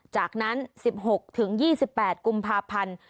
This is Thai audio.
จากนั้น๑๖๒๘กุมภาพันธ์